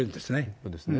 そうですね。